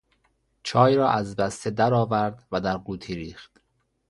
چای را از بسته درآورد و در قوطی ریخت.